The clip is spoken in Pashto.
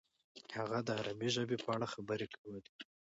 هغه د عربي ژبې په اړه خبرې کولې.